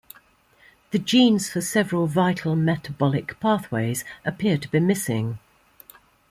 The genes for several vital metabolic pathways appear to be missing.